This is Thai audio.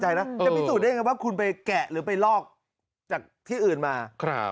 จะพิสูจน์ได้ยังไงว่าคุณไปแกะหรือไปลอกจากที่อื่นมา